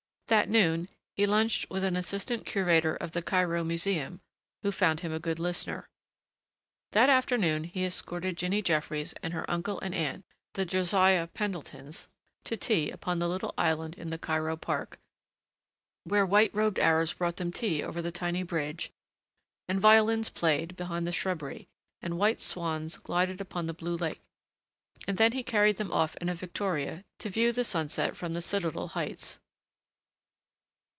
That noon he lunched with an assistant curator of the Cairo museum who found him a good listener. That afternoon he escorted Jinny Jeffries and her uncle and aunt, the Josiah Pendletons, to tea upon the little island in the Cairo park, where white robed Arabs brought them tea over the tiny bridge and violins played behind the shrubbery and white swans glided upon the blue lake, and then he carried them off in a victoria to view the sunset from the Citadel heights.